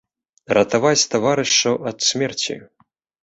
Ратаваць таварышаў ад смерці!!